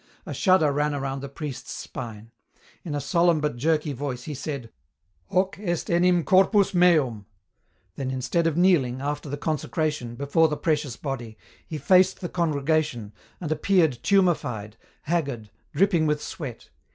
A shudder ran around the priest's spine. In a solemn but jerky voice he said, "Hoc est enim corpus meum," then, instead of kneeling, after the consecration, before the precious Body, he faced the congregation, and appeared tumefied, haggard, dripping with sweat.